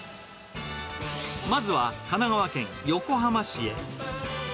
まずは神奈川県横浜市へ。